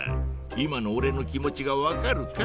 今のおれの気持ちが分かるか？